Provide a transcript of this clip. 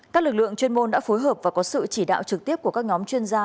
các lực lượng chuyên môn đã phối hợp và có sự chỉ đạo trực tiếp của các nhóm chuyên gia